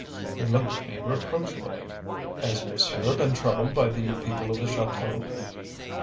He looked at me reproachfully. "Has monsieur been troubled by the people of the chateau?"